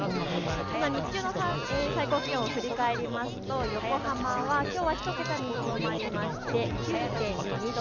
日中の最高気温振り返りますと横浜はきょうは１桁にとどまりまして９．２度。